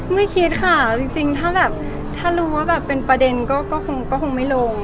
ไม่คิดค่ะจริงถ้าแบบถ้ารู้ว่าแบบเป็นประเด็นก็คงไม่ลง